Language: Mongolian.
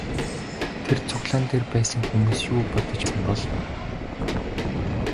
Тэр цуглаан дээр байсан хүмүүс юу бодож байсан бол?